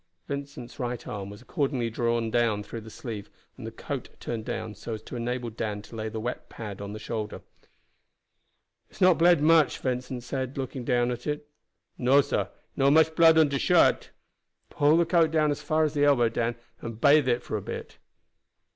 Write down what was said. Vincent's right arm was accordingly drawn through the sleeve and the coat turned down so as to enable Dan to lay the wet pad on the shoulder. "It has not bled much," Vincent said, looking down at it. "No, sah, not much blood on de shirt." "Pull the coat down as far as the elbow, Dan, and bathe it for a bit."